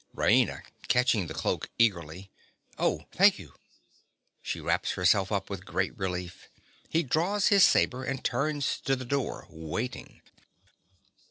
RAINA. (catching the cloak eagerly). Oh, thank you. (_She wraps herself up with great relief. He draws his sabre and turns to the door, waiting.